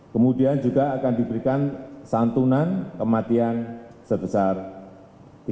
kemudian juga akan diberikan santunan kematian sebesar tiga ratus juta